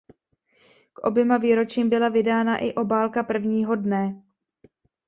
K oběma výročím byla vydána i obálka prvního dne.